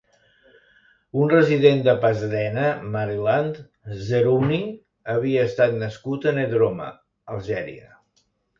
Un resident de Pasadena, Maryland, Zerhouni havia nascut a Nedroma, Algèria.